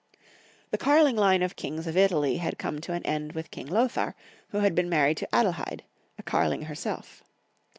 The Karlmg line of Kings of Italy had come to an end with King Lothar, who had been married to Adelheid, a Karling herself.